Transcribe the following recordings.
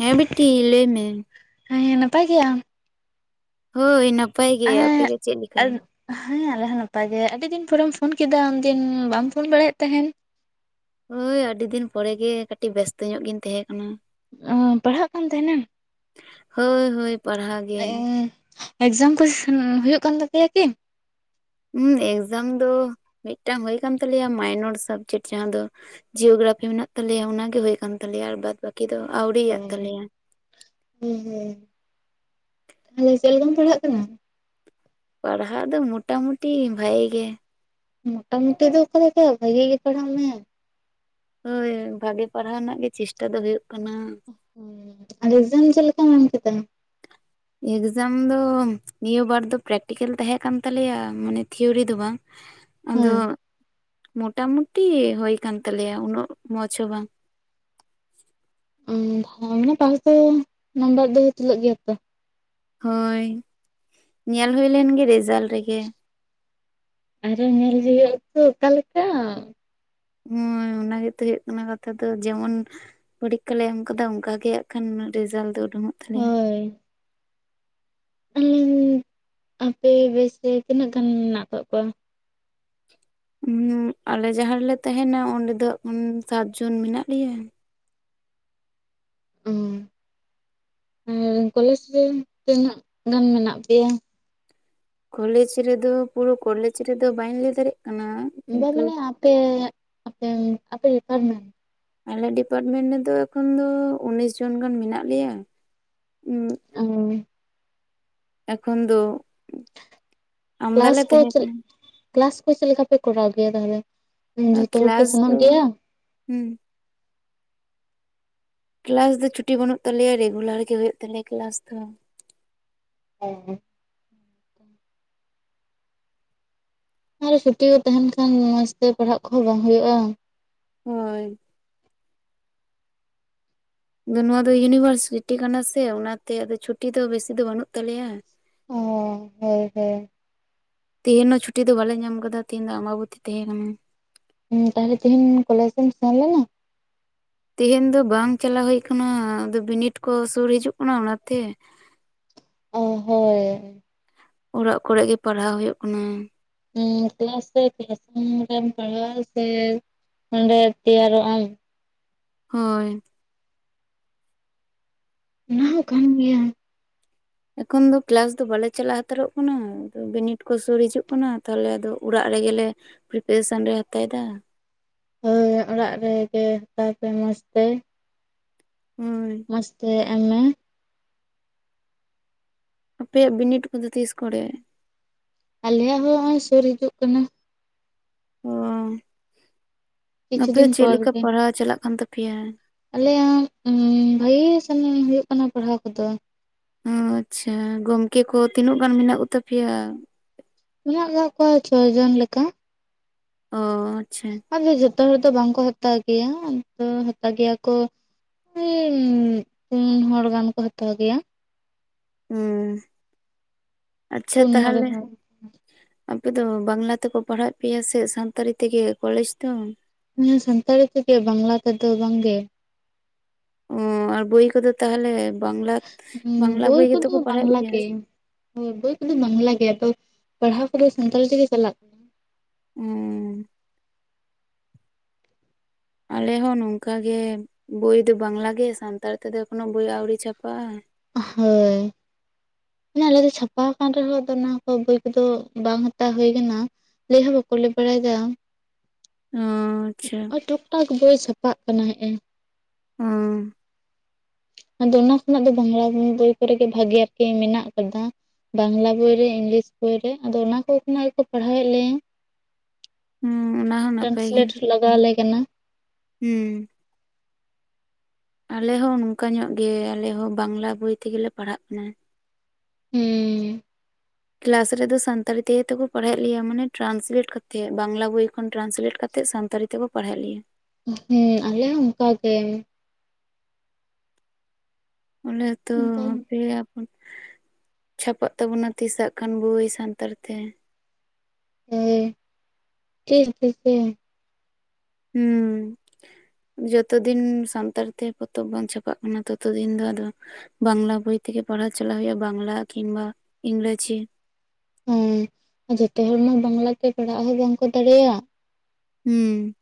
ᱦᱮᱸ ᱵᱤᱴᱤ ᱞᱟᱹᱭ ᱢᱮ ᱦᱮᱸ ᱱᱟᱯᱟᱭ ᱜᱮᱭᱟᱢ ᱦᱳᱭ ᱱᱟᱯᱟᱭ ᱜᱮ ᱟᱯᱮ ᱮᱸ ᱜᱮ ᱪᱮᱫ ᱞᱮᱠᱟ? ᱟᱨ ᱦᱮᱸ ᱟᱞᱮ ᱦᱚᱸ ᱱᱟᱯᱟᱭ ᱜᱮ ᱟᱹᱰᱤ ᱫᱤᱱ ᱯᱚᱨᱮᱢ ᱯᱷᱳᱱ ᱠᱮᱫᱟ ᱩᱱᱫᱤᱱ ᱵᱟᱢ ᱯᱷᱳᱱ ᱵᱟᱲᱟᱭᱮᱫ ᱛᱟᱦᱮᱱ ᱦᱳᱭ ᱟᱹᱰᱤ ᱫᱤᱱ ᱯᱚᱨᱮ ᱜᱮ ᱠᱟᱹᱴᱤᱡ ᱵᱮᱥᱛᱚ ᱧᱚᱜ ᱜᱤᱧ ᱛᱟᱦᱮᱸ ᱠᱟᱱᱟ᱾ ᱚ ᱯᱟᱲᱦᱟᱜ ᱠᱟᱱ ᱛᱟᱦᱮ ᱱᱟᱢ ᱦᱳᱭ ᱦᱳᱭ ᱯᱟᱲᱦᱟᱣ ᱜᱮ ᱮᱠᱡᱟᱢ ᱠᱩ ᱦᱩᱭᱩᱜ ᱠᱟᱱ ᱛᱟᱯᱮᱭᱟ ᱠᱤ ᱦᱮᱸ ᱮᱠᱡᱟᱢ ᱫᱚ ᱢᱤᱫᱴᱟᱝ ᱦᱩᱭ ᱠᱟᱱ ᱛᱟᱞᱮᱭᱟ ᱢᱟᱭᱱᱚᱨ ᱥᱟᱵᱡᱮᱠᱴ ᱡᱟᱦᱟᱸ ᱫᱚ ᱡᱤᱭᱳᱜᱨᱟᱯᱷᱤ ᱢᱮᱱᱟᱜ ᱛᱟᱞᱮᱭᱟ ᱚᱱᱟᱜᱮ ᱦᱩᱭ ᱠᱟᱱ ᱛᱟᱞᱮᱭᱟ ᱟᱨ ᱵᱟᱫ ᱵᱟᱹᱠᱤ ᱫᱚ ᱟᱣᱨᱤᱭᱟᱜ ᱛᱟᱞᱮᱭᱟ ᱦᱩᱸ ᱦᱩᱸ ᱪᱮᱫ ᱞᱮᱠᱟᱢ ᱯᱟᱲᱦᱟᱜ ᱠᱟᱱᱟ ᱯᱟᱲᱦᱟᱜ ᱫᱚ ᱢᱚᱴᱟᱢᱩᱴᱤ ᱵᱷᱟᱜᱮ ᱜᱮ ᱢᱚᱴᱟᱢᱩᱴᱤ ᱫᱚ ᱚᱠᱟ ᱞᱮᱠᱟ ᱵᱷᱟᱹᱜᱮ ᱜᱮ ᱯᱟᱲᱦᱟᱜ ᱢᱮ᱾ ᱦᱳᱭ ᱵᱷᱟᱜᱮ ᱯᱟᱲᱦᱟᱣ ᱨᱮᱱᱟᱜ ᱜᱮ ᱪᱮᱥᱴᱟ ᱫᱚ ᱦᱩᱭᱩᱜ ᱠᱟᱱᱟ ᱨᱤᱡᱤᱱᱤᱝ ᱪᱮᱫ ᱞᱮᱠᱟᱢ ᱮᱢ ᱠᱮᱫᱟ? ᱮᱠᱡᱟᱢ ᱫᱚ ᱱᱤᱭᱟᱹ ᱵᱟᱨ ᱫᱚ ᱯᱨᱮᱠᱴᱤᱠᱮᱞ ᱛᱟᱦᱮᱸ ᱠᱟᱱ ᱛᱟᱞᱮᱭᱟ ᱢᱟᱱᱮ ᱛᱷᱤᱭᱳᱨᱤ ᱫᱚ ᱵᱟᱝ ᱟᱫᱚ ᱦᱮᱸ ᱢᱚᱴᱟᱢᱩᱴᱤ ᱦᱩᱭ ᱠᱟᱱ ᱛᱟᱞᱮᱭᱟ ᱩᱱᱟᱹᱜ ᱢᱚᱸᱡᱽ ᱦᱚᱸ ᱵᱟᱝ ᱵᱷᱟᱜᱮ ᱯᱟᱲᱦᱟᱣ [unintelligible] ᱫᱚ ᱱᱟᱢᱵᱟᱨ ᱫᱚ ᱛᱩᱞᱟᱹᱜ ᱜᱮᱭᱟ ᱛᱚ ᱦᱳᱭ ᱧᱮᱞ ᱦᱩᱭ ᱞᱮᱱ ᱜᱮ ᱨᱮᱡᱟᱞᱴ ᱨᱮᱜᱮ ᱟᱨᱚ ᱧᱮᱞ ᱡᱚᱜ ᱛᱚ ᱚᱠᱟᱞᱮᱠᱟ ᱦᱩᱸ ᱚᱱᱟ ᱜᱮᱛᱚ ᱦᱩᱭᱩᱜ ᱠᱟᱱᱟ ᱠᱟᱛᱷᱟ ᱫᱚ ᱡᱮᱢᱚᱱ ᱯᱚᱨᱤᱠᱠᱷᱟ ᱞᱮ ᱮᱢ ᱟᱠᱟᱫᱟ ᱚᱱᱠᱟᱜᱮ ᱦᱟᱸᱜ ᱠᱷᱟᱱ ᱨᱮᱡᱟᱞᱴ ᱫᱚ ᱩᱰᱩᱝᱚᱜ ᱛᱟᱞᱮᱭᱟ ᱤᱧ [unintelligible] ᱟᱯᱮ ᱵᱮᱪ ᱛᱤᱱᱟᱹᱜ ᱜᱟᱱ ᱢᱮᱱᱟᱜ ᱟᱠᱟᱜ ᱠᱚᱣᱟ ᱩᱸ ᱟᱞᱮ ᱡᱟᱦᱟᱸ ᱨᱮᱞᱮ ᱛᱟᱦᱮᱱᱟ ᱚᱸᱰᱮ ᱫᱚ ᱥᱟᱛ ᱡᱚᱱ ᱢᱮᱱᱟᱜ ᱞᱮᱭᱟ᱾ ᱚ ᱟᱨ ᱠᱚᱞᱮᱡᱽ ᱨᱮ ᱛᱤᱱᱟᱹᱜ ᱜᱟᱱ ᱢᱮᱱᱟᱜ ᱯᱮᱭᱟ ᱠᱚᱞᱮᱡᱽ ᱨᱮᱫᱚ ᱯᱩᱨᱟᱹ ᱠᱚᱞᱮᱡᱽ ᱨᱮᱫᱚ ᱵᱟᱹᱧ ᱞᱟᱹᱭ ᱫᱟᱲᱮᱭᱟᱜ ᱠᱟᱱᱟ ᱵᱟᱝ ᱠᱤᱱᱛᱩ ᱵᱟᱝ ᱟᱯᱮ ᱟᱯᱮ ᱟᱯᱮ ᱰᱤᱯᱟᱨᱢᱮᱱᱴ ᱟᱞᱮ ᱰᱤᱯᱟᱨᱴᱢᱮᱱᱴ ᱨᱮᱫᱚ ᱮᱠᱷᱚᱱ ᱫᱚ ᱩᱱᱤᱥ ᱡᱚᱱ ᱜᱟᱱ ᱢᱮᱱᱟᱜ ᱞᱮᱭᱟ᱾ ᱚᱸ ᱮᱠᱷᱚᱱ ᱫᱚ ᱠᱞᱟᱥ ᱟᱢᱫᱟᱞᱮ ᱨᱮ ᱛᱟᱦᱮᱸ ᱪᱮᱫ ᱠᱟᱱᱟ ᱠᱞᱟᱥ ᱠᱚ ᱪᱮᱫ ᱞᱮᱠᱟ ᱯᱮ ᱠᱚᱨᱟᱣ ᱜᱮᱭᱟ ᱛᱟᱦᱚᱞᱮ ᱡᱚᱛᱚ ᱦᱚᱲ ᱯᱮ ᱠᱮᱞᱟᱥ ᱥᱮᱱᱚᱜ ᱫᱚ ᱜᱮᱭᱟ ᱦᱩᱸ ᱠᱞᱟᱥ ᱫᱚ ᱪᱷᱩᱴᱤ ᱵᱟᱹᱱᱩᱜ ᱛᱟᱞᱮᱭᱟ ᱨᱮᱜᱩᱞᱟᱨ ᱜᱮ ᱦᱩᱭᱩᱜ ᱛᱟᱞᱮᱭᱟ ᱠᱞᱟᱥ ᱫᱚ᱾ ᱦᱮ ᱟᱨ ᱪᱷᱩᱴᱤ ᱠᱚ ᱛᱟᱦᱮᱸᱱ ᱠᱷᱟᱱ ᱢᱚᱸᱡᱽ ᱛᱮ ᱯᱟᱨᱦᱟᱜ ᱠᱚᱦᱚᱸ ᱵᱟᱝ ᱦᱩᱭᱩᱜᱼᱟ ᱦᱚᱭ ᱟᱫᱚ ᱱᱚᱣᱟ ᱫᱚ ᱤᱭᱩᱱᱤᱵᱷᱟᱨᱥᱤᱴᱤ ᱠᱟᱱᱟ ᱥᱮ ᱚᱱᱟᱛᱮ ᱟᱫᱚ ᱪᱷᱩᱴᱤ ᱫᱚ ᱵᱮᱥᱤ ᱫᱚ ᱵᱟᱹᱱᱩᱜ ᱛᱟᱞᱮᱭᱟ᱾ ᱚ ᱦᱚᱭ ᱦᱚᱭ ᱛᱮᱦᱮᱧ ᱦᱚᱸ ᱪᱷᱩᱴᱤ ᱫᱚ ᱵᱟᱞᱮ ᱧᱟᱢ ᱟᱠᱟᱫᱟ ᱛᱮᱦᱤᱧ ᱫᱚ ᱟᱢᱵᱟᱵᱚᱛᱤ ᱛᱟᱦᱮᱸ ᱠᱟᱱᱟ᱾ ᱦᱮᱸ ᱛᱟᱦᱚᱞᱮ ᱛᱤᱦᱮᱧ ᱠᱚᱞᱮᱡᱽ ᱮᱢ ᱥᱮᱱ ᱞᱮᱱᱟ? ᱛᱮᱦᱮᱧ ᱫᱚ ᱵᱟᱝ ᱪᱟᱞᱟᱣ ᱦᱩᱭ ᱟᱠᱟᱱᱟ ᱟᱫᱚ ᱵᱤᱱᱤᱰ ᱠᱚ ᱥᱩᱨ ᱦᱤᱡᱩᱜ ᱠᱟᱱᱟ ᱚᱱᱟ ᱛᱮ ᱚ ᱦᱳᱭ ᱚᱨᱟᱜ ᱠᱚᱨᱮ ᱜᱮ ᱯᱟᱨᱦᱟᱣ ᱦᱩᱭᱩᱜ ᱠᱟᱱᱟ᱾ ᱠᱞᱟᱥ ᱫᱚ ᱠᱞᱟᱥ ᱨᱩᱢ ᱨᱮᱢ ᱯᱟᱲᱦᱟᱜᱣᱟ ᱥᱮ ᱚᱸᱰᱮ ᱛᱮᱭᱟᱨᱚᱜ ᱟᱢ ᱦᱚᱭ ᱚᱱᱟ ᱦᱚᱸ ᱠᱷᱟᱱ ᱜᱮᱭᱟ ᱮᱠᱷᱚᱱ ᱫᱚ ᱠᱮᱞᱟᱥ ᱫᱚ ᱵᱟᱞᱮ ᱪᱟᱞᱟ ᱦᱟᱛᱟᱨᱚᱜ ᱠᱟᱱᱟ ᱵᱤᱱᱤᱰ ᱠᱚ ᱥᱩᱨ ᱦᱤᱡᱩᱜ ᱠᱟᱱᱟ ᱛᱟᱦᱞᱮ ᱟᱫᱚ ᱚᱲᱟᱜ ᱨᱮᱜᱮ ᱞᱮ ᱯᱨᱤᱯᱟᱨᱮᱥᱟᱱ ᱞᱮ ᱦᱟᱛᱟᱭ ᱮᱫᱟ ᱟᱨ ᱚᱨᱟᱜ ᱨᱮᱜᱮ ᱦᱟᱛᱟᱣ ᱯᱮ ᱢᱚᱡᱽ ᱛᱮ ᱦᱳᱭ ᱢᱚᱡᱽ ᱛᱮ ᱮᱢ ᱢᱮ ᱟᱯᱮᱭᱟᱜ ᱵᱤᱱᱤᱰ ᱠᱚᱫᱚ ᱛᱤᱥ ᱠᱚᱨᱮ? ᱟᱞᱮᱭᱟᱜ ᱦᱚᱸ ᱱᱚᱜᱼᱚᱭ ᱥᱳᱨ ᱦᱤᱡᱩᱜ ᱠᱟᱱᱟ ᱾ ᱚ ᱠᱤᱪᱷᱩ ᱫᱤᱱ ᱟᱯᱮᱭᱟᱜ ᱪᱮᱫ ᱯᱚᱨ ᱞᱮᱠᱟ ᱜᱮ ᱯᱟᱲᱦᱟᱣ ᱪᱟᱞᱟᱜ ᱠᱟᱱ ᱛᱟᱯᱮᱭᱟ? ᱟᱞᱮᱭᱟᱜ ᱵᱷᱟᱜᱤ ᱜᱮ ᱥᱮᱱ ᱦᱩᱭᱩᱜ ᱠᱟᱱᱟ ᱯᱟᱲᱦᱟᱣ ᱠᱚᱫᱚ, ᱟᱪᱪᱷᱟ ᱜᱚᱢᱠᱮ ᱠᱚ ᱛᱤᱱᱟᱹᱜ ᱜᱟᱱ ᱢᱮᱱᱟᱜ ᱠᱚ ᱛᱟᱯᱮᱭᱟ? ᱢᱮᱱᱟᱜ ᱠᱟᱜ ᱠᱚᱣᱟ ᱪᱷᱚ ᱡᱚᱱ ᱞᱮᱠᱟ ᱾ ᱚ ᱟᱪᱪᱷᱟ, ᱟᱫᱚ ᱡᱷᱚᱛᱚ ᱦᱚᱲ ᱫᱚ ᱵᱟᱝ ᱠᱚ ᱦᱟᱛᱟᱣ ᱜᱮᱭᱟ ᱩᱱᱠᱩ ᱫᱚ ᱦᱟᱛᱟᱣ ᱜᱮᱭᱟ ᱠᱚ, ᱩᱱ ᱯᱩᱱ ᱦᱚᱲ ᱜᱟᱱ ᱠᱚ ᱦᱟᱛᱟᱣ ᱜᱮᱭᱟ ᱾ ᱦᱩᱸ ᱟᱪᱪᱷᱟ ᱯᱩᱱ ᱢᱚᱬᱮ ᱛᱟᱦᱚᱞᱮ, ᱦᱚᱲ ᱟᱯᱮ ᱫᱚ ᱵᱟᱝᱞᱟ ᱛᱮᱠᱚ ᱯᱟᱲᱦᱟᱣᱮᱫ ᱯᱮᱭᱟ ᱥᱮ ᱥᱟᱱᱛᱟᱲᱤ ᱛᱮᱜᱮ ᱠᱚᱞᱮᱡᱽ ᱫᱚ? ᱱᱤᱭᱟᱹ ᱥᱟᱱᱛᱟᱲᱤ ᱛᱮᱜᱮ ᱵᱟᱝᱞᱟ ᱛᱮᱫᱚ ᱵᱟᱝ ᱜᱮ ᱾ ᱚ ᱟᱨ ᱵᱳᱭ ᱠᱚᱫᱚ ᱛᱟᱦᱚᱞᱮ ᱵᱟᱝᱞᱟ ᱵᱟᱝᱞᱟ ᱵᱳᱭ ᱜᱮᱛᱚ ᱠᱚᱫᱚ ᱠᱚ ᱯᱟᱲᱦᱟᱣᱮᱫ ᱵᱟᱝᱞᱟ ᱯᱮᱭᱟ, ᱜᱮ ᱦᱳᱭ ᱵᱳᱭ ᱠᱚᱫᱚ ᱵᱟᱝᱞᱟ ᱜᱮ ᱛᱚ ᱯᱟᱲᱦᱟᱣ ᱠᱚᱫᱚ ᱥᱟᱱᱛᱟᱲᱤ ᱛᱮᱜᱮ ᱪᱟᱞᱟᱜ ᱠᱟ ᱦᱩᱸ ᱟᱞᱮ ᱦᱚᱸ ᱱᱚᱝᱠᱟ ᱜᱮ ᱵᱳᱭ ᱫᱚ ᱵᱟᱝᱞᱟ ᱜᱮ ᱥᱟᱱᱛᱟᱲ ᱛᱮ ᱫᱚ ᱮᱠᱷᱚᱱᱳ ᱵᱳᱭ ᱟᱹᱣᱨᱤ ᱪᱷᱟᱯᱟᱜᱼᱟ ᱾ ᱦᱳᱭ ᱾ ᱢᱟᱱᱮ ᱟᱞᱮ ᱫᱚ ᱪᱷᱟᱯᱟ ᱟᱠᱟᱱ ᱨᱮᱦᱚᱸ ᱚᱱᱟ ᱠᱚ ᱵᱳᱭ ᱠᱚᱫᱚ ᱵᱟᱝ ᱦᱟᱛᱟᱣ ᱦᱩᱭ ᱠᱟᱱᱟ ᱾ ᱞᱟᱹᱭ ᱦᱚᱸ ᱵᱟᱠᱚ ᱞᱟᱹᱭ ᱵᱟᱲᱟᱭᱮᱫᱟ ᱾ ᱚ ᱟᱪᱪᱷᱟ ᱾ ᱴᱩᱠ ᱴᱟᱠ ᱵᱳᱭ ᱪᱷᱟᱯᱟᱜ ᱠᱟᱱᱟ ᱦᱮᱸᱜ ᱮᱸ, ᱚ ᱟᱫᱚ ᱚᱱᱟ ᱠᱷᱚᱱᱟᱜ ᱫᱚ ᱵᱟᱝᱞᱟ ᱵᱳᱭ ᱠᱚᱨᱮ ᱜᱮ ᱵᱷᱟᱜᱤ ᱟᱨᱠᱤ ᱢᱮᱱᱟᱜ ᱟᱠᱟᱫᱟ ᱾ ᱵᱟᱝᱞᱟ ᱵᱳᱭ ᱨᱮ ᱤᱝᱞᱤᱥ ᱵᱳᱭ ᱨᱮ ᱟᱫᱚ ᱚᱱᱟ ᱠᱚ ᱠᱷᱚᱱᱟᱜ ᱜᱮᱠᱚ ᱯᱟᱲᱦᱟᱣᱮᱫ ᱞᱮᱭᱟ ᱾ ᱦᱩᱸ ᱚᱱᱟ ᱦᱚᱸ ᱱᱟᱯᱟᱭ ᱜᱮ ᱴᱨᱟᱱᱥᱞᱮᱴ ᱞᱟᱜᱟᱣ ᱟᱞᱮ ᱠᱟᱱᱟ ᱾ ᱦᱩᱸ ᱾ ᱟᱞᱮ ᱦᱚᱸ ᱱᱚᱝᱠᱟ ᱧᱚᱜ ᱜᱮ ᱟᱞᱮ ᱦᱚᱸ ᱵᱟᱝᱞᱟ ᱵᱳᱭ ᱛᱮᱜᱮ ᱞᱮ ᱯᱟᱲᱦᱟᱜ ᱠᱟᱱᱟ ᱾ ᱦᱩᱸ ᱾ ᱠᱞᱟᱥ ᱨᱮᱫᱚ ᱥᱟᱱᱛᱟᱲᱤ ᱛᱮᱜᱮ ᱛᱚᱠᱚ ᱯᱟᱲᱦᱟᱣᱮᱫ ᱞᱮᱭᱟ ᱢᱟᱱᱮ ᱴᱨᱟᱱᱥᱞᱮᱴ ᱠᱟᱛᱮᱫ ᱵᱟᱝᱞᱟ ᱵᱳᱭ ᱠᱷᱚᱱ ᱴᱨᱟᱱᱥᱞᱮᱴ ᱠᱟᱛᱮ, ᱠᱟᱛᱮᱫ ᱥᱟᱱᱛᱟᱲᱤ ᱛᱮᱠᱚ ᱯᱟᱲᱦᱟᱣᱮᱫ ᱞᱮᱭᱟ ᱾ ᱦᱮᱸ ᱟᱞᱮ ᱦᱚᱸ ᱚᱱᱠᱟᱜᱮ ᱾ ᱟᱞᱮ ᱛᱚ ᱚᱱᱠᱟ ᱯᱮᱭᱟᱜ, ᱪᱷᱟᱯᱟᱜ ᱛᱟᱵᱚᱱᱟ ᱛᱤᱥ ᱟᱜ ᱠᱷᱟᱱ ᱵᱳᱭ ᱥᱟᱱᱛᱟᱲ ᱛᱮ ᱾ ᱦᱳᱭ ᱪᱮᱫ ᱮᱢ ᱪᱤᱠᱟᱹᱭᱟ ᱾ ᱦᱩᱸ ᱾ ᱡᱚᱛᱚ ᱫᱤᱱ ᱥᱟᱱᱛᱟᱲ ᱛᱮ ᱯᱚᱛᱚᱵ ᱵᱟᱝ ᱪᱷᱟᱯᱟᱜ ᱠᱟᱱᱟ ᱛᱚᱛᱚ ᱫᱤᱱ ᱫᱚ ᱟᱫᱚ, ᱵᱟᱝᱞᱟ ᱵᱳᱭ ᱛᱮ ᱯᱟᱲᱦᱟᱣ ᱪᱟᱞᱟᱜ ᱦᱩᱭᱩᱜᱼᱟ ᱵᱟᱝᱞᱟ ᱠᱤᱢᱵᱟ ᱤᱝᱨᱮᱡᱤ ᱾ ᱦᱮᱸ ᱡᱚᱛᱚ ᱦᱚᱲᱢᱟ ᱵᱟᱝᱞᱟ ᱛᱮ ᱯᱟᱲᱦᱟᱜ ᱦᱚᱸ ᱵᱟᱝᱠᱚ ᱫᱟᱲᱮᱭᱟᱜ ᱾ ᱦᱩᱸ ᱾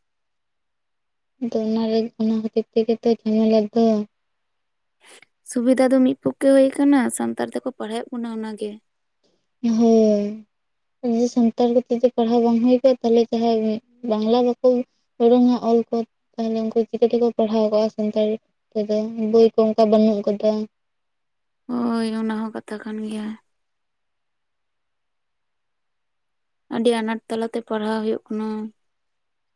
ᱟᱫᱚ ᱚᱱᱟᱨᱮ ᱚᱱᱟ ᱠᱷᱟᱹᱛᱤᱨ ᱛᱮᱜᱮ ᱛᱚ ᱡᱷᱟᱢᱮᱞᱟ ᱫᱚ ᱾ ᱥᱩᱵᱤᱫᱟ ᱫᱚ ᱢᱤᱫ ᱯᱚᱠᱠᱷᱮ ᱦᱩᱭ ᱠᱟᱱᱟ ᱥᱟᱱᱛᱟᱲ ᱛᱮᱠᱚ ᱯᱟᱲᱦᱟᱣᱮᱫ ᱵᱚᱱᱟ ᱚᱱᱟᱜ ᱜᱮ ᱾ ᱦᱳᱭ ᱾ ᱥᱟᱱᱛᱟᱲ ᱠᱚᱛᱮ ᱯᱟᱲᱦᱟᱣ ᱵᱟᱝ ᱦᱩᱭ ᱠᱚᱜᱼᱟ ᱛᱟᱦᱚᱞᱮ ᱡᱟᱦᱟᱸ ᱵᱟᱝᱞᱟ ᱵᱟᱠᱚ, ᱩᱨᱩᱢᱟ ᱚᱞ ᱠᱚ ᱛᱟᱦᱞᱮ ᱩᱱᱠᱩ ᱪᱤᱠᱟᱹ ᱛᱮᱠᱚ ᱯᱟᱲᱦᱟᱣ ᱠᱚᱜᱼᱟ ᱥᱟᱱᱛᱟᱲᱤ ᱾ ᱛᱚᱵᱮ ᱵᱳᱭ ᱠᱚ ᱚᱱᱠᱟ ᱵᱟᱹᱱᱩᱜ ᱟᱠᱟᱫᱟ ᱾ ᱦᱳᱭ, ᱚᱱᱟ ᱦᱚᱸ ᱠᱟᱛᱷᱟ ᱠᱟᱱ ᱜᱮᱭᱟ ᱾ ᱟᱹᱰᱤ ᱟᱱᱟᱴ ᱛᱟᱞᱟᱛᱮ ᱯᱟᱲᱦᱟᱣ ᱦᱩᱭᱩᱜ ᱠᱟᱱᱟ ᱾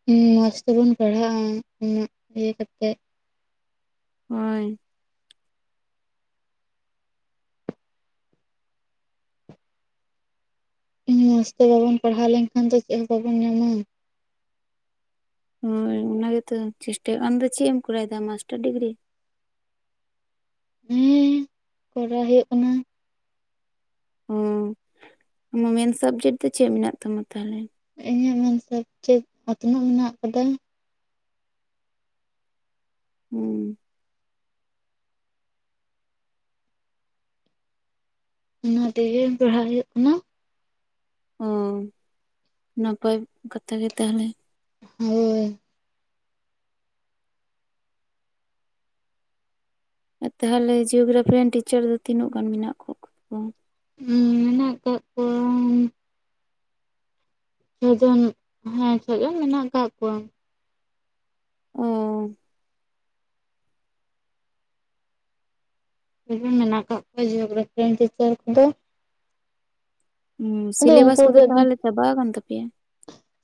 ᱦᱮᱸ, ᱢᱚᱸᱡᱽ ᱛᱮᱵᱩᱱ ᱯᱟᱲᱦᱟᱜᱼᱟ ᱩᱱᱟᱹᱜ ᱤᱭᱟᱹ ᱠᱟᱛᱮᱜ ᱾ ᱦᱳᱭ ᱾ ᱢᱚᱸᱡᱽ ᱛᱮ ᱵᱟᱵᱚᱱ ᱯᱟᱲᱦᱟᱣ ᱞᱮᱱᱠᱷᱟᱱ ᱫᱚ ᱪᱮᱫ ᱦᱚᱸ ᱵᱟᱵᱚᱱ ᱧᱟᱢᱟ ᱾ ᱦᱳᱭ, ᱚᱱᱟ ᱜᱮᱛᱚ ᱪᱮᱥᱴᱟᱭ ᱟ ᱫᱚ ᱾ ᱪᱮᱫ ᱮᱢ ᱠᱚᱨᱟᱣᱮᱫᱟ ᱢᱟᱥᱴᱟᱨ ᱰᱤᱜᱽᱨᱤ? ᱦᱮᱸ, ᱠᱚᱨᱟᱣ ᱦᱩᱭᱩᱜ ᱠᱟᱱᱟ᱾ ᱚ ᱚᱱᱟ ᱢᱮᱱ ᱥᱟᱵᱽᱡᱮᱠᱴ ᱫᱚ ᱪᱮᱫ ᱢᱮᱱᱟᱜ ᱛᱟᱢᱟ ᱛᱟᱦᱚᱞᱮ? ᱤᱧᱟᱹᱜ ᱢᱮᱱᱥᱟᱵᱽᱡᱮᱴ ᱪᱮᱫ ᱚᱛᱱᱚᱜ ᱢᱮᱱᱟᱜ ᱟᱠᱟᱫᱟ ᱾ ᱦᱩᱸ ᱾ ᱚᱱᱟᱛᱮ ᱯᱟᱲᱦᱟᱭ ᱦᱩᱭᱩᱜ ᱠᱟᱱᱟ ᱾ ᱚ, ᱱᱟᱯᱟᱭ ᱠᱟᱛᱷᱟ ᱜᱮ ᱛᱟᱦᱚᱞᱮ ᱾ ᱦᱳᱭ ᱾ ᱛᱟᱦᱚᱞᱮ ᱡᱤᱭᱳᱜᱽᱨᱟᱯᱷᱤ ᱨᱮᱱ ᱴᱤᱪᱟᱨ ᱫᱚ ᱛᱤᱱᱟᱹᱜ ᱜᱟᱱ ᱢᱮᱱᱟᱜ ᱠᱟᱜ ᱠᱚᱣᱟ? ᱦᱩᱸ, ᱢᱮᱱᱟᱜ ᱠᱟᱫ ᱠᱚᱣᱟ ᱪᱷᱚ ᱡᱚᱱ ᱦᱮᱸ ᱪᱷᱚ ᱡᱚᱱ ᱢᱮᱱᱟᱜ ᱟᱠᱟᱫ ᱠᱚᱣᱟ ᱾ ᱚ ᱾ ᱪᱷᱚᱡᱚᱱ ᱢᱮᱱᱟᱜ ᱠᱟᱜ ᱠᱚᱣᱟ ᱡᱤᱭᱳᱜᱽᱨᱟᱯᱷᱤ ᱨᱮᱱ ᱴᱤᱪᱟᱨ ᱠᱚᱫᱚ ᱾ ᱦᱩᱸ, ᱟᱫᱚ ᱥᱤᱞᱮᱵᱟᱥ ᱩᱱᱠᱩ ᱠᱚᱫᱚ ᱜᱮ ᱛᱟᱦᱚᱞᱮ ᱪᱟᱵᱟ ᱟᱠᱟᱱ ᱛᱟᱯᱮᱭᱟ?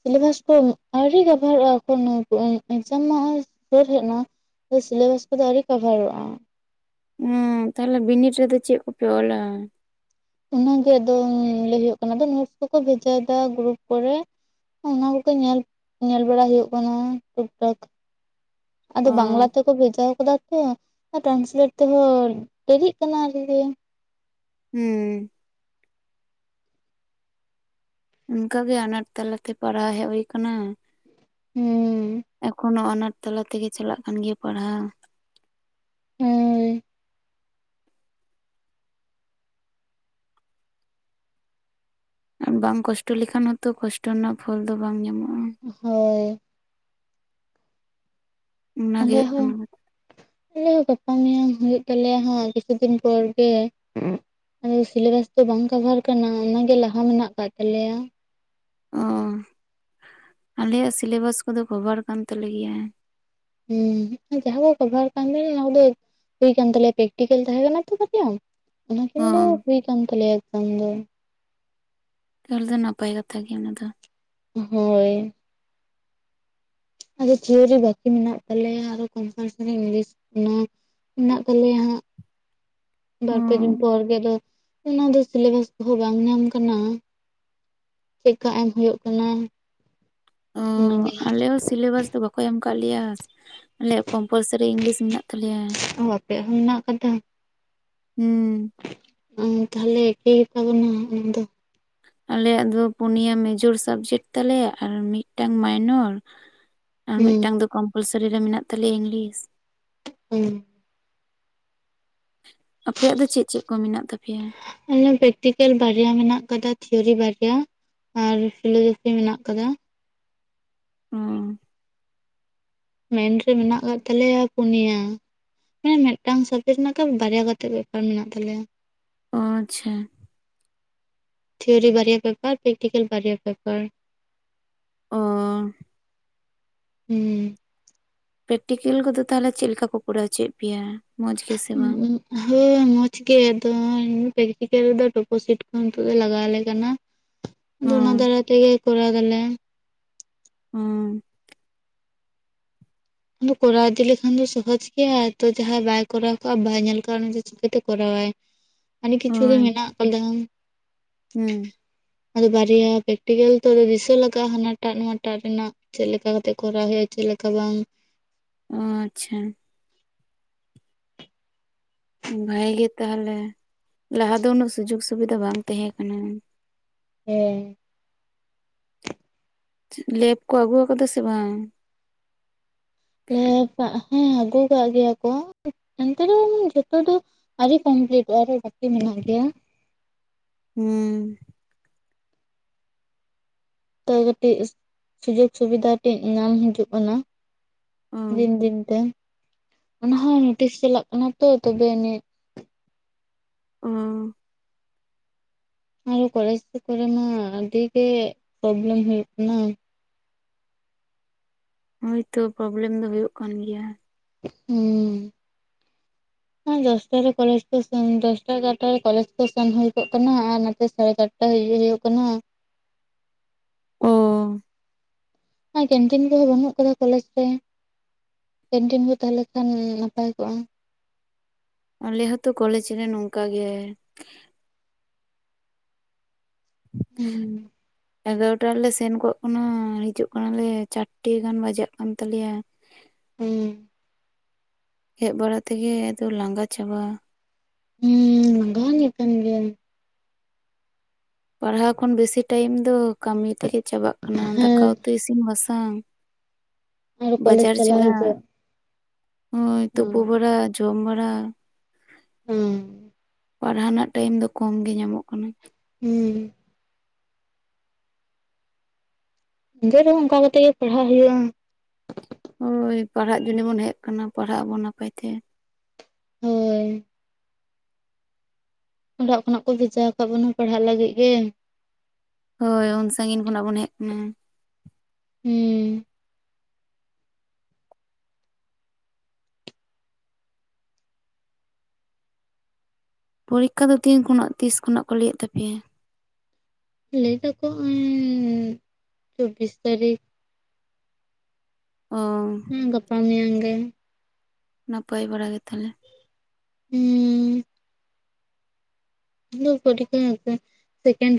ᱥᱤᱞᱮᱵᱟᱥ ᱠᱚ ᱟᱹᱣᱨᱤ ᱠᱟᱵᱷᱟᱨᱚᱜᱼᱟ, ᱮᱠᱷᱚᱱ ᱮᱠᱡᱟᱢ ᱢᱟ ᱥᱩᱨ ᱦᱮᱡ ᱮᱱᱟ ᱾ ᱥᱤᱞᱮᱵᱟᱥ ᱠᱚᱫᱚ ᱟᱹᱣᱨᱤ ᱠᱟᱵᱷᱟᱨᱚᱜᱼᱟ ᱾ ᱦᱩᱸ, ᱛᱟᱦᱚᱞᱮ ᱵᱤᱱᱤᱰ ᱨᱮᱫᱚ ᱪᱮᱫ ᱠᱚᱯᱮ ᱚᱞᱟ? ᱚᱱᱟ ᱜᱮ ᱟᱫᱚ ᱞᱟᱹᱭ ᱦᱩᱭᱩᱜ ᱠᱟᱱᱟ, ᱟᱫᱚ ᱱᱤᱴᱥ ᱠᱚᱠᱚ ᱵᱷᱮᱡᱟᱭᱮᱫᱟ ᱜᱽᱨᱩᱯ ᱠᱚᱨᱮ ᱾ ᱚᱱᱟ ᱠᱚᱜᱮ ᱧᱮᱞ ᱧᱮᱞ ᱵᱟᱲᱟ ᱦᱩᱭᱩᱜ ᱠᱟᱱᱟ ᱴᱩᱠ ᱴᱟᱠ ᱾ ᱟᱫᱚ ᱚ ᱵᱟᱝᱞᱟ ᱛᱮᱠᱚ ᱵᱷᱮᱡᱟ ᱠᱟᱫᱟ ᱛᱚ ᱾ ᱟᱨ ᱴᱨᱟᱱᱥᱞᱮᱴ ᱛᱮᱦᱚᱸ ᱫᱮᱨᱤᱜ ᱠᱟᱱᱟ ᱟᱨᱠᱤ ᱾ ᱦᱩᱸ ᱾ ᱚᱱᱠᱟ ᱜᱮ ᱟᱱᱟᱴ ᱛᱟᱞᱟ ᱛᱮ ᱯᱟᱲᱦᱟᱣ ᱦᱮᱡ ᱦᱩᱭ ᱟᱠᱟᱱᱟ ᱾ ᱦᱩᱸ ᱾ ᱮᱠᱷᱚᱱᱳ ᱟᱱᱟᱴ ᱛᱟᱞᱟ ᱛᱮᱜᱮ ᱪᱟᱞᱟᱜ ᱠᱟᱱ ᱜᱮᱭᱟ ᱯᱟᱲᱦᱟᱣ ᱾ ᱦᱳᱭ ᱟᱨ ᱵᱟᱝ ᱠᱚᱥᱴᱚ ᱞᱮᱠᱷᱟᱱ ᱦᱚᱸᱛᱚ ᱠᱚᱥᱴᱚ ᱨᱮᱱᱟᱜ ᱯᱷᱚᱞ ᱫᱚ ᱵᱟᱝ ᱧᱟᱢᱚᱜᱼᱟ ᱾ ᱦᱳᱭ ᱾ ᱚᱱᱟᱜᱮ ᱟᱞᱮ ᱦᱳ ᱦᱩᱭᱩᱜ ᱠᱟᱱᱟ ᱟᱞᱮ ᱦᱚ ᱜᱟᱯᱟ ᱢᱮᱭᱟᱝ ᱦᱩᱭᱩᱜ ᱛᱟᱞᱮᱭᱟ ᱦᱟᱸᱜ ᱠᱤᱪᱷᱩ ᱫᱤᱱ ᱯᱚᱨ ᱜᱮ ᱾ ᱟᱫᱚ ᱥᱤᱞᱮᱵᱟᱥ ᱫᱚ ᱵᱟᱝ ᱠᱟᱵᱷᱟᱨ ᱠᱟᱱᱟ ᱚᱱᱟᱜᱮ ᱞᱟᱦᱟ ᱢᱮᱱᱟᱜ ᱠᱟᱫ ᱛᱟᱞᱮᱭᱟ ᱚ ᱟᱞᱮᱭᱟᱜ ᱥᱤᱞᱮᱵᱟᱥ ᱠᱚᱫᱚ ᱠᱚᱵᱷᱟᱨ ᱠᱟᱱ ᱛᱟᱞᱮ ᱜᱮᱭᱟ᱾ ᱦᱮᱸ ᱡᱟᱦᱟᱸ ᱠᱚ ᱠᱟᱵᱷᱟᱨ ᱠᱟᱱ ᱛ ᱚᱱᱟ ᱠᱚᱫᱚ ᱦᱩᱭ ᱠᱟᱱ ᱛᱟᱞᱮᱭᱟ ᱯᱮᱠᱴᱤᱠᱮᱞ ᱛᱟᱦᱮᱸ ᱠᱟᱱᱟ ᱛᱚ ᱵᱟᱨᱭᱟ ᱚᱱᱟ ᱠᱤᱱ ᱚ ᱫᱚ ᱦᱩᱭᱤᱠ ᱠᱟᱱ ᱛᱟᱞᱮᱭᱟ ᱮᱠᱡᱟᱢ ᱫᱚ ᱛᱟᱦᱚᱞᱮ ᱫᱚ ᱱᱟᱯᱟᱭ ᱠᱟᱛᱷᱟ ᱜᱮᱭᱟ ᱚᱱᱟ ᱫᱚ ᱦᱳᱭ ᱟᱫᱚ ᱛᱷᱤᱭᱳᱨᱤ ᱵᱟᱠᱤ ᱢᱮᱱᱟᱜ ᱛᱟᱞᱮᱭᱟ ᱟᱨᱚ ᱠᱚᱢᱯᱟᱞᱥᱟᱨᱤ ᱤᱝᱞᱤᱥ ᱚᱱᱟ ᱢᱮᱱᱟᱜ ᱛᱟᱞᱮᱭᱟ ᱦᱟᱸᱜ ᱵᱟᱨᱯᱮ ᱫᱤᱱ ᱯᱚᱨ ᱜᱮᱞ ᱟᱫᱚ ᱚᱱᱟ ᱫᱚ ᱥᱮᱞᱮᱵᱟᱥ ᱵᱷᱚᱜᱟᱧ ᱧᱟᱢ ᱠᱟᱱᱟ ᱪᱮᱠᱟ. ᱮᱢ ᱦᱩᱭᱩᱜ ᱠᱟᱱᱟ? ᱚᱻ ᱚᱱᱟᱜᱮ ᱦᱟᱸᱜ ᱟᱞᱮ ᱦᱚᱸ ᱥᱤᱞᱮᱵᱟᱥ ᱫᱚ ᱵᱟᱠᱚ ᱮᱢ ᱠᱟᱫ ᱞᱮᱭᱟ᱾ ᱟᱞᱮᱭᱟᱜ ᱠᱚᱢᱯᱟᱞᱥᱟᱨᱤ ᱤᱝᱞᱤᱥ ᱢᱮᱱᱟᱜ ᱛᱟᱞᱮᱭᱟ ᱚ ᱟᱯᱮᱭᱟᱜ ᱦᱚᱸ ᱢᱮᱱᱟᱜ ᱟᱠᱟᱫᱟ ᱦᱩᱸ ᱾ ᱚᱸ ᱛᱟᱦᱚᱞᱮ ᱮᱠᱤ ᱜᱮᱛᱟᱵᱚᱱᱟ ᱚᱱᱟ ᱫᱚ ᱟᱞᱮᱭᱟᱜ ᱫᱚ ᱯᱩᱱᱭᱟ ᱢᱮᱡᱚᱨ ᱥᱟᱵᱽᱡᱮᱠᱴ ᱛᱟᱞᱮ ᱟᱨ ᱢᱤᱫ ᱴᱟᱝ ᱢᱟᱭᱱᱚᱨ ᱾ ᱟᱨ ᱦᱩᱸ ᱢᱤᱫᱴᱟᱝ ᱫᱚ ᱠᱚᱢᱯᱟᱞᱥᱟᱨᱤ ᱨᱮ ᱢᱮᱱᱟᱜ ᱛᱟᱞᱮᱭᱟ ᱤᱝᱞᱤᱥ ᱦᱩᱸ ᱟᱯᱮᱭᱟᱜ ᱫᱚ ᱪᱮᱫ ᱪᱮᱫ ᱠᱚ ᱢᱮᱱᱟᱜ ᱛᱟᱯᱮᱭᱟ? ᱟᱞᱮ ᱯᱮᱠᱴᱤᱠᱮᱞ ᱵᱟᱨᱭᱟ ᱢᱮᱱᱟᱜ ᱟᱠᱟᱫᱟ ᱛᱷᱤᱭᱳᱨᱤ ᱵᱟᱨᱭᱟ ᱟᱨ ᱯᱷᱤᱞᱳᱡᱚᱯᱷᱤ ᱢᱮᱱᱟᱜ ᱠᱟᱫᱟ ᱚᱸ ᱢᱮᱱ ᱨᱮ ᱢᱮᱱᱟᱜ ᱟᱠᱟᱫ ᱛᱟᱞᱮᱭᱟ ᱯᱩᱱᱭᱟ᱾ ᱦᱮᱸ ᱢᱤᱫ ᱴᱟᱝ ᱥᱟᱵᱽᱡᱮᱠᱴ ᱨᱮᱱᱟᱜᱮ ᱵᱟᱨᱭᱟ ᱠᱟᱛᱮᱜ ᱵᱮᱯᱟᱨ ᱢᱮᱱᱟᱜ ᱛᱟᱞᱮᱭᱟ ᱚᱸ ᱟᱪᱪᱷᱟ ᱛᱷᱤᱭᱳᱨᱤ ᱵᱟᱨᱭᱟ ᱯᱮᱯᱟᱨ ᱯᱮᱠᱴᱤᱠᱮᱞ ᱵᱟᱨᱭᱟ ᱯᱮᱯᱟᱨ ᱚᱻ ᱦᱩᱸ ᱯᱮᱠᱴᱤᱠᱮᱞ ᱠᱚᱫᱚ ᱛᱟᱦᱚᱞᱮ ᱪᱮᱫ ᱞᱮᱠᱟ ᱠᱚ ᱠᱚᱨᱟᱣ ᱦᱚᱪᱚᱭᱮᱫ ᱯᱮᱭᱟ? ᱢᱚᱸᱡᱽ ᱜᱮ ᱥᱮ ᱵᱟᱝ? [unintelligible] ᱦᱳᱭ ᱢᱚᱸᱡᱽ ᱜᱮ ᱟᱫᱚ ᱯᱮᱠᱴᱤᱠᱮᱞ ᱨᱮᱫᱚ ᱴᱳᱯᱳ ᱥᱤᱴ ᱠᱚ ᱱᱤᱛᱚᱜ ᱫᱚ ᱞᱟᱜᱟᱣ ᱟᱞᱮ ᱠᱟᱱᱟ᱾ ᱟᱫᱚ ᱚᱱᱟ ᱦᱚᱸ ᱫᱟᱨᱟᱭ ᱛᱮᱜᱮ ᱠᱚᱨᱟᱣ ᱫᱟᱞᱮ ᱚᱸ ᱟᱫᱚ ᱠᱚᱨᱟᱣ ᱤᱫᱤ ᱞᱮᱠᱷᱟᱱ ᱫᱚ ᱥᱚᱦᱚᱡᱽ ᱠᱚᱨᱟᱣ ᱤᱫᱤ ᱞᱮᱠᱷᱟᱱ ᱫᱚ ᱥᱚᱦᱚᱪ ᱜᱮᱭᱟ ᱛᱚ ᱡᱟᱦᱟᱸᱭ ᱵᱟᱭ ᱠᱚᱨᱟᱣ ᱠᱟᱜᱼᱟ ᱵᱟᱭ ᱧᱮᱞ ᱠᱟᱜᱼᱟ ᱩᱱᱤ ᱫᱚ ᱪᱤᱠᱟᱹᱛᱮ ᱠᱚᱨᱟᱣᱟᱭ [inaudible] ᱟᱹᱰᱤ ᱠᱤᱪᱷᱩ ᱜᱮ ᱢᱮᱱᱟᱜ ᱠᱟᱫᱟ ᱦᱩᱸ ᱟᱫᱚ ᱵᱟᱨᱭᱟ ᱯᱮᱠᱴᱤᱠᱮᱞ ᱛᱚ ᱫᱤᱥᱟᱹ ᱞᱟᱜᱟᱜᱼᱟ ᱦᱟᱱᱟᱴᱟᱜ ᱱᱚᱣᱟᱴᱟᱜ ᱨᱮᱱᱟᱜ ᱪᱮᱫ ᱞᱮᱠᱟ ᱠᱟᱛᱮᱜ ᱠᱚᱨᱟᱣ ᱦᱩᱭᱩᱜᱼᱟ ᱪᱮᱫ ᱞᱮᱠᱟ ᱵᱟᱝ᱾ ᱚ ᱟᱪᱪᱷᱟ ᱵᱷᱟᱜᱮ ᱜᱮ ᱛᱟᱦᱚᱞᱮ ᱞᱟᱦᱟ ᱫᱚ ᱩᱱᱟᱹᱜ ᱥᱩᱡᱳᱜ ᱥᱩᱵᱤᱫᱷᱟ ᱵᱟᱝ ᱛᱟᱦᱮᱸ ᱠᱟᱱᱟ᱾ ᱦᱮᱸ ᱞᱮᱯ ᱠᱚ ᱟᱹᱜᱩᱣ ᱟᱠᱟᱫᱟ ᱥᱮ ᱵᱟᱝ? ᱞᱮ ᱯᱟ ᱦᱮᱸ ᱟᱹᱜᱩ ᱠᱟᱜ ᱜᱮᱭᱟ ᱠᱚ ᱮᱱᱛᱮ ᱨᱮ ᱡᱚᱛᱚ ᱫᱚ ᱟᱣᱨᱤ ᱠᱚᱢᱯᱞᱤᱴᱚᱜᱼᱟ ᱟᱨ ᱵᱟᱠᱤ ᱢᱮᱱᱟᱜ ᱜᱮᱭᱟ ᱦᱩᱸ ᱛᱚ ᱠᱟᱹᱴᱤᱡᱽ ᱥᱩᱡᱳᱜᱽ ᱥᱩᱵᱤᱫᱷᱟ ᱠᱟᱴᱤᱡᱽ ᱧᱟᱢ ᱦᱤᱡᱩᱜ ᱠᱟᱱᱟ᱾ ᱚ ᱫᱤᱱ ᱫᱤᱱ ᱛᱮ ᱚᱱᱟᱦᱚᱸ ᱱᱳᱴᱤᱥ ᱪᱟᱞᱟᱜ ᱠᱟᱱᱟ ᱛᱚ ᱛᱚᱵᱮ ᱱᱤᱡ ᱚ ᱟᱨᱚ ᱠᱚᱞᱮᱡᱽ ᱠᱚᱨᱮ ᱢᱟ ᱟᱹᱰᱤ ᱜᱮ ᱯᱨᱚᱵᱞᱮᱢ ᱦᱩᱭᱩᱜ ᱠᱟᱱᱟ᱾ ᱦᱳᱭᱛᱚ ᱯᱨᱚᱵᱞᱮᱢ ᱫᱚ ᱦᱩᱭᱩᱜ ᱠᱟᱱ ᱜᱮᱭᱟ᱾ ᱦᱩᱸ [inaudible] ᱦᱮ ᱫᱚᱥᱴᱟ ᱨᱮ ᱠᱚᱞᱮᱡ ᱠᱚ ᱫᱚᱥᱴᱟ ᱮᱜᱟᱨᱚᱴᱟ ᱨᱮ ᱠᱚᱞᱮᱡ ᱠᱚ ᱥᱮᱱ ᱦᱩᱭ ᱠᱚᱜ ᱠᱟᱱᱟ ᱟᱨ ᱱᱟᱛᱮ ᱥᱟᱲᱮ ᱪᱟᱨᱴ [unintelligible] ᱦᱩᱭᱩᱜ ᱠᱟᱱᱟ ᱚ ᱠᱮᱱᱴᱤᱱ ᱠᱚᱦᱚᱸ ᱵᱟᱹᱱᱩᱜ ᱟᱠᱟᱫᱟ ᱠᱚᱞᱮᱡᱽ ᱨᱮ ᱠᱮᱱᱴᱤᱱ ᱠᱚ ᱛᱟᱦᱮᱸ ᱞᱮᱠᱷᱟᱱ ᱱᱟᱯᱟᱭ ᱠᱚᱜ-ᱟ᱾ ᱟᱞᱮ ᱦᱚᱛᱚ ᱠᱚᱞᱮᱡᱽ ᱨᱮ ᱱᱚᱝᱠᱟ ᱜᱮ [inaudible] ᱮᱜᱟᱨᱚᱴᱟ ᱨᱮᱞᱮ ᱥᱮᱱ ᱠᱚᱜ ᱠᱟᱱᱟ ᱦᱤᱡᱩᱜ ᱠᱟᱱᱟᱞᱮ ᱪᱟᱨᱴᱮ ᱜᱟᱱ ᱵᱟᱡᱟᱜ ᱠᱟᱱ ᱛᱟᱞᱮᱭᱟ᱾ ᱦᱩᱸ ᱦᱮᱡ ᱵᱟᱲᱟ ᱛᱮᱜᱮ ᱟᱫᱚ ᱞᱟᱸᱜᱟ ᱪᱟᱵᱟ᱾ ᱦᱩᱸ ᱞᱟᱸᱜᱟ [unintelligible] ᱯᱟᱲᱦᱟᱣ ᱠᱷᱚᱱ ᱵᱮᱥᱤ ᱴᱟᱭᱤᱢ ᱫᱚ ᱠᱟᱹᱢᱤ ᱛᱮᱜᱮ ᱪᱟᱵᱟᱜ ᱠᱟᱱᱟ ᱫᱟᱠᱟ ᱦᱮᱸ ᱩᱛᱩ ᱤᱥᱤᱱ ᱵᱟᱥᱟᱝ ᱟᱨ ᱠᱚᱞᱮᱡᱽ ᱵᱟᱡᱟᱨ ᱪᱟᱞᱟᱣ ᱪᱟᱞᱟᱜ ᱦᱤᱡᱩᱜ ᱦᱳᱭ ᱛᱩᱯᱩ ᱦᱩᱸ ᱵᱟᱲᱟ ᱡᱚᱢ ᱵᱟᱲᱟ ᱦᱩᱸ ᱯᱟᱲᱦᱟᱣ ᱨᱮᱱᱟᱜ ᱴᱟᱭᱤᱢ ᱫᱚ ᱠᱚᱢ ᱜᱮ ᱧᱟᱢᱚᱜ ᱠᱟᱱᱟ᱾ ᱦᱩᱸ ᱤᱱᱠᱟᱹ ᱨᱮᱦᱚᱸ ᱚᱱᱠᱟ ᱠᱟᱛᱮᱜ ᱜᱮ ᱯᱟᱲᱦᱟᱜ ᱦᱩᱭᱩᱜ-ᱟ᱾ ᱦᱳᱭ ᱯᱟᱲᱦᱟᱜ ᱡᱚᱱᱤ ᱵᱚᱱ ᱦᱮᱡᱽ ᱟᱠᱟᱱᱟ ᱯᱟᱲᱦᱟᱜ ᱟᱵᱚᱱ ᱱᱟᱯᱟᱭ ᱛᱮ᱾ ᱦᱳᱭ ᱚᱲᱟᱜ ᱠᱷᱚᱱᱟᱜ ᱠᱚ ᱵᱷᱮᱡᱟ ᱟᱠᱟᱫ ᱵᱚᱱᱟ ᱯᱟᱲᱦᱟᱜ ᱞᱟᱹᱜᱤᱫ ᱜᱮ᱾ ᱦᱳᱭ ᱩᱱ ᱥᱟᱺᱜᱤᱧ ᱠᱷᱚᱱᱟᱜ ᱵᱚᱱ ᱦᱮᱡ ᱟᱠᱟᱱᱟ ᱦᱩᱸ ᱯᱚᱨᱤᱠᱠᱷᱟ ᱫᱚ ᱛᱤᱱ ᱠᱷᱚᱱᱟᱜ ᱛᱤᱥ ᱠᱷᱚᱱᱟᱜ ᱠᱚ ᱞᱟᱹᱭᱮᱫ ᱛᱟᱯᱮᱭᱟ ᱞᱟᱹᱭ ᱛᱟᱠᱚ ᱟᱹᱧ ᱪᱚᱵᱵᱤᱥ ᱛᱟᱹᱨᱤᱠᱷ ᱚ ᱦᱩᱸ ᱜᱟᱯᱟ ᱢᱮᱭᱟᱝ ᱜᱮ ᱱᱟᱯᱟᱭ ᱵᱟᱲᱟ ᱜᱮ ᱛᱟᱞᱮ ᱦᱩᱸᱻ ᱟᱞᱮ [unintelligible] ᱥᱮᱠᱮᱱᱴ ᱨᱮ